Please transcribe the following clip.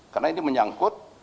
karena ini menyangkut